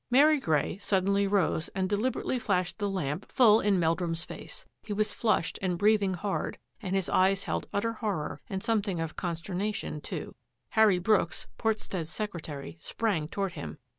Mary Grey suddenly rose and deliberately flashed the lamp full in Meldrum's face. He was flushed and breathing hard, and hi& eyes held utter horror and something of consternation, too. Harry Brooks, Portstead's secretary, sprang toward him.